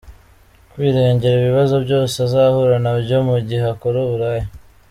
kwirengera ibibazo byose azahura nabyo mu gihe akora uburaya .